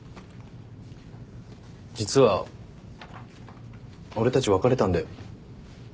実は俺たち別れたんだよ。